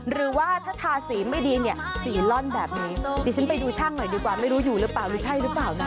หรือว่าถ้าทาสีไม่ดีเนี่ยสีล่อนแบบนี้ดิฉันไปดูช่างหน่อยดีกว่าไม่รู้อยู่หรือเปล่าหรือใช่หรือเปล่านะ